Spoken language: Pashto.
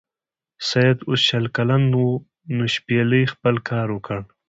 سید اوس شل کلن و نو شپیلۍ خپل کار وکړ.